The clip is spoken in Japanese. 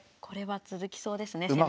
これは続きそうですね